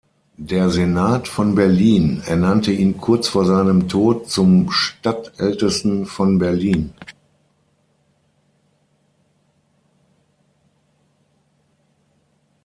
Der Senat von Berlin ernannte ihn kurz vor seinem Tod zum Stadtältesten von Berlin.